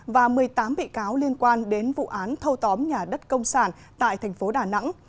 và một mươi tám bị cáo liên quan đến vụ án thâu tóm nhà đất công sản tại thành phố đà nẵng